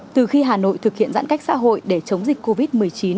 từ khi hà nội thực hiện giãn cách xã hội để chống dịch covid một mươi chín